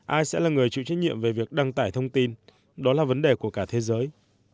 ai sẽ là người chịu trách nhiệm về việc đăng tải thông tin đó là vấn đề của cả thế giới